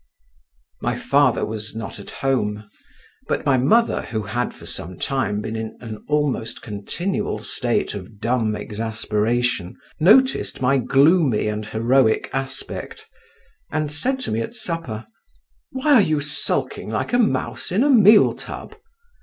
My father was not at home; but my mother, who had for some time past been in an almost continual state of dumb exasperation, noticed my gloomy and heroic aspect, and said to me at supper, "Why are you sulking like a mouse in a meal tub?"